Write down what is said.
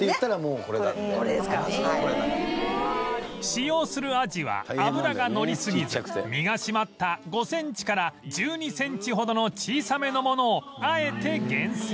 使用するアジは脂がのりすぎず身が締まった５センチから１２センチほどの小さめのものをあえて厳選